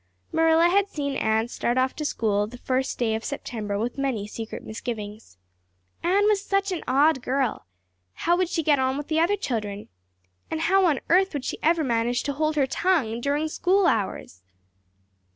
Marilla had seen Anne start off to school on the first day of September with many secret misgivings. Anne was such an odd girl. How would she get on with the other children? And how on earth would she ever manage to hold her tongue during school hours?